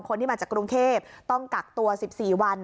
คนที่มาจากกรุงเทพต้องกักตัว๑๔วัน